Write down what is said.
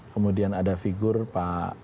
kemudian ada figur pak